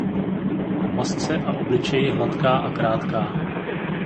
Na masce a obličeji hladká a krátká.